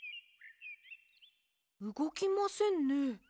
うごきませんね。